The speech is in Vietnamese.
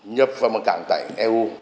nhập vào một cảng tại eu